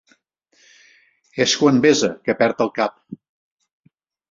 És quan besa que perd el cap.